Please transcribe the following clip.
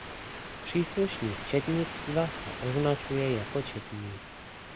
Příslušník četnictva se označuje jako četník.